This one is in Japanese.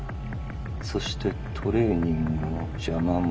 「そしてトレーニングの邪魔も。